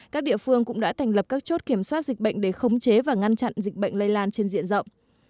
các địa phương cũng đã thành lập các chốt kiểm soát dịch bệnh để khống chế và ngăn chặn dịch bệnh lây lan trên diện rộng